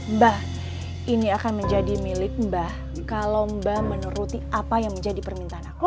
mbak ini akan menjadi milik mbah kalau mbah menuruti apa yang menjadi permintaan aku